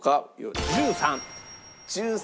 １３。